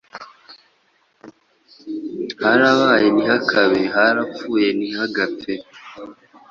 Harabaye ntihakabe harapfuye ntihagapfe,